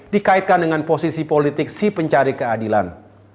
dikaitkan dengan posisi politik si pencari keadilan